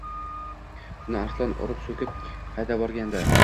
Uni Arslon urib-so‘kib haydavorgandi.